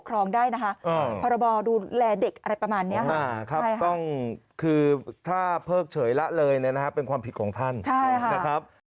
ก็อยากให้ดูแลลูกหลานของตัวเองด้วยอะค่ะ